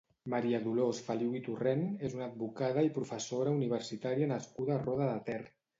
Maria Dolors Feliu i Torrent és una advocada i professora universitària nascuda a Roda de Ter.